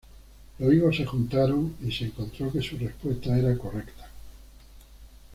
Los higos se juntaron, y se encontró que su respuesta era correcta.